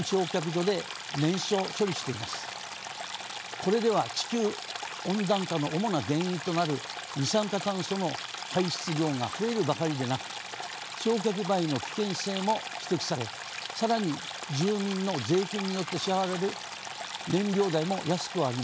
これでは地球温暖化の主な原因となる二酸化炭素の排出量が増えるばかりでなく焼却灰の危険性も指摘され更に住民の税金によって支払われる燃料代も安くはありません。